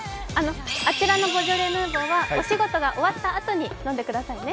あちらのボージョレ・ヌーボーはお仕事が終わったあとに飲んでくださいね。